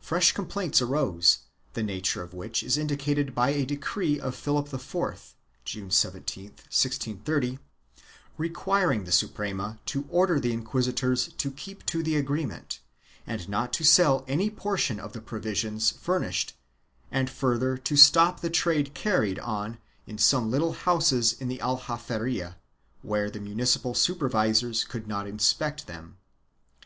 Fresh complaints arose, the nature of which is indi cated by a decree of Philip IV, June 17, 1630, requiring the Suprema to order the inquisitors to keep to the agreement and not to sell any portion of the provisions furnished and further to stop the trade carried on in some little houses in the Aljaferia where the municipal supervisors could not inspect them.